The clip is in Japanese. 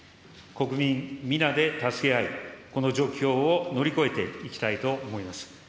国民皆で助け合い、この状況を乗り越えていきたいと思います。